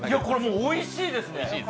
これ、おいしいですね。